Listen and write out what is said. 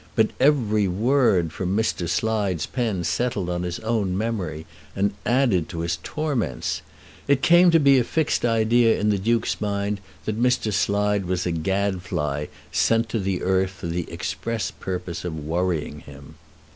But every word from Mr. Slide's pen settled on his own memory, and added to his torments. It came to be a fixed idea in the Duke's mind that Mr. Slide was a gadfly sent to the earth for the express purpose of worrying him.